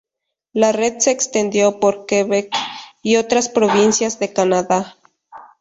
La red se extendió por Quebec y otras provincias de Canadá.